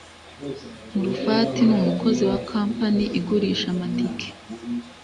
Nulfati numukozi wakampani igurisha amatike